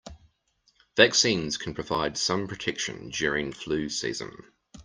Vaccines can provide some protection during flu season.